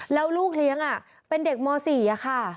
แล้วลูกเลี้ยงเป็นเด็กม๔ค่ะ